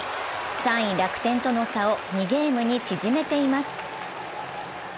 ３位・楽天との差を２ゲームに縮めています。